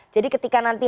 jadi ketika nanti